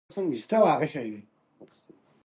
اداري شفافیت د ستونزو ژر حل لامل ګرځي